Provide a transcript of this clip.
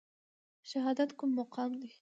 شهادت کوم مقام دی؟